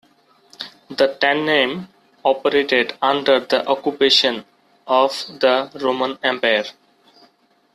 The "Tannaim" operated under the occupation of the Roman Empire.